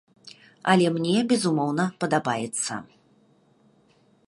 Але мне, безумоўна, падабаецца.